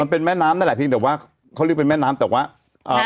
เป็นแม่น้ำนั่นแหละเพียงแต่ว่าเขาเรียกเป็นแม่น้ำแต่ว่าอ่า